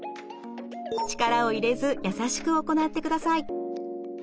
力を入れず優しく行ってください。